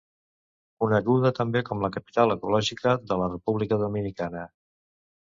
Coneguda també com la capital ecològica de la República Dominicana.